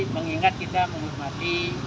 mengingat kita menghormati